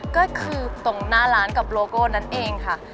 ก็คือตรงหน้าร้านกับโลโก้นั่นเองค่ะ